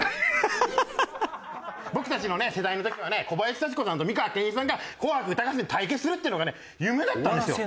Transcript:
僕たちのね世代の時はね小林幸子さんと美川憲一さんが『紅白歌合戦』で対決するっていうのがね夢だったんですよ。